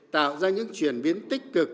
tạo ra những chuyển biến tích cực